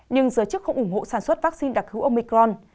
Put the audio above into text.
nhưng giới chức không ủng hộ sản xuất vaccine đặc hữu omicron